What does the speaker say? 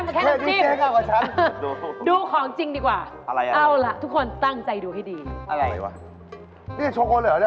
นั่นมันแค่น้ำจิ้มดูของจริงดีกว่าเอาละทุกคนตั้งใจดูให้ดีนี่โชคกลเหรอ